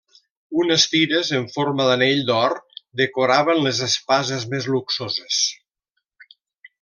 Unes tires en forma d'anell d'or decoraven les espases més luxoses.